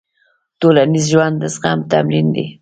ټولنیز ژوند د زغم تمرین دی.